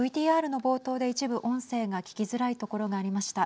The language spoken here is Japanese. ＶＴＲの冒頭で一部音声が聞きづらいところがありました。